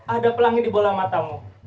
ada pelangi di bola matamu